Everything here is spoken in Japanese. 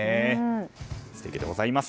素敵でございます。